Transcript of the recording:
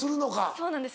そうなんです